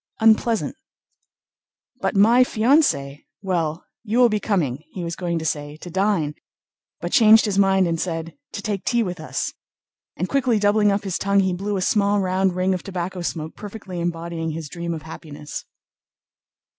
Unpleasant... But my fiancée!... Well, you will be coming," he was going to say, "to dine," but changed his mind and said "to take tea with us," and quickly doubling up his tongue he blew a small round ring of tobacco smoke, perfectly embodying his dream of happiness.